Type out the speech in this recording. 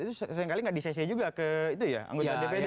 itu sering kali nggak disese juga ke anggota dpd ya